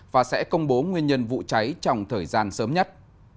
và sẽ công bố nguyên nhân vụ cháy trong thời gian sớm nhất